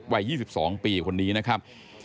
วัย๒๒ปีคนนี้นะครับ